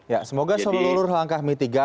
ya semoga seluruh langkah mitigasi